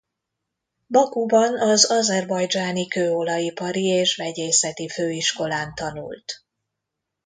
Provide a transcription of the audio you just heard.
Bakuban az Azerbajdzsáni Kőolajipari és Vegyészeti Főiskolán tanult.